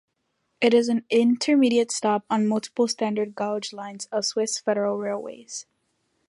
It is an intermediate stop on multiple standard gauge lines of Swiss Federal Railways.